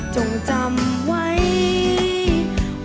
จงจำว่าเกยตื้นน้ำตาย